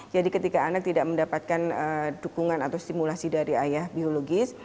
jadi ketika anak tidak mendapatkan dukungan atau stimulasi dari ayah biologis